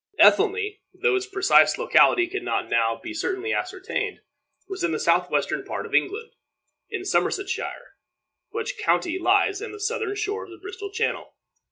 Ethelney, though its precise locality can not now be certainly ascertained, was in the southwestern part of England, in Somersetshire, which county lies on the southern shore of the Bristol Channel.